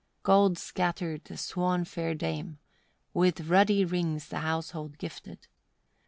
39. Gold scattered the swan fair dame; with ruddy rings the household gifted.